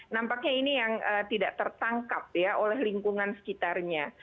nampaknya ini yang tidak tertangkap ya oleh lingkungan sekitarnya